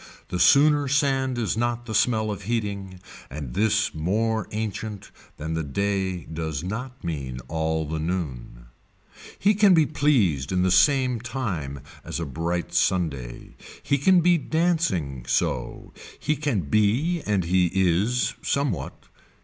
The sooner sand is not the smell of heating and this more ancient than the day does not mean all the noon. He can be pleased in the same time as a bright Sunday. He can be dancing so. He can be and he is somewhat.